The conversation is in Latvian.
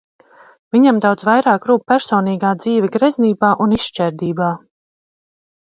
Viņam daudz vairāk rūp personīgā dzīve greznībā un izšķērdībā.